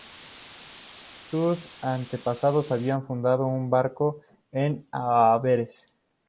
Sus antepasados habían fundado un banco en Amberes.